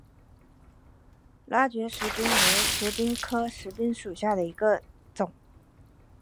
拉觉石杉为石杉科石杉属下的一个种。